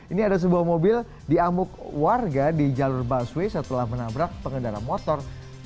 ini ada sebuah mobil di amuk warga di jalur busway setelah menabrak pengendara motor